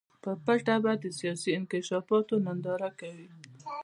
په پټه به د سیاسي انکشافاتو ننداره کوي.